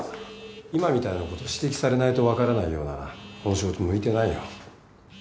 今みたいなこと指摘されないと分からないようならこの仕事向いてないよ。